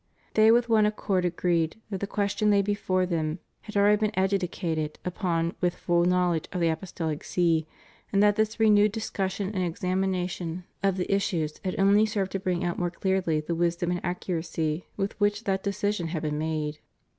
They with one accord agreed that the question laid before them had been already adjudicated upon with full knowledge of the Apostolic See, and that this re newed discussion and examination of the issues had only served to bring out more clearly the wisdom and accuracy with which that decision had been made.